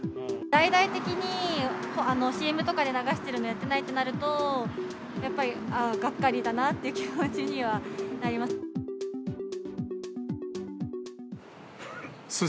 大々的にＣＭとかで流しているのをやってないとなると、やっぱりがっかりだなっていう気持ちにはなります。